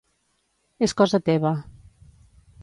Es cosa teva.